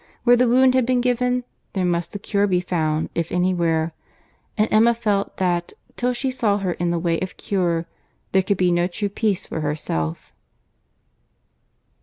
Where the wound had been given, there must the cure be found if anywhere; and Emma felt that, till she saw her in the way of cure, there could be no true peace for herself.